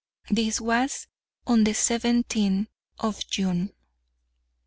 This was on the seventeenth of June.